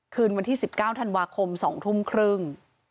คืนวันที่๑๙ธันวาคม๒ทุ่มครึ่ง